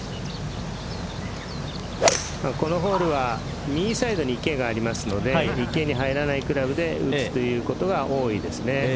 このホールは右サイドに池がありますので池に入らないクラブで打つということが多いですね。